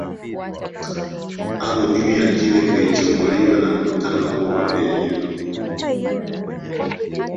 Au juu ya Kile kilichomuliwa na mkutano huo wa Berlini